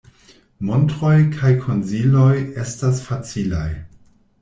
Montroj kaj konsiloj estas facilaj.